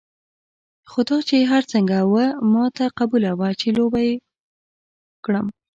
خو دا چې هر څنګه وه ما ته قبوله وه چې لوبه یې وکړم.